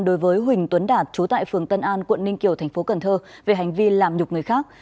đối với huỳnh tuấn đạt chú tại phường tân an quận ninh kiều thành phố cần thơ về hành vi làm nhục người khác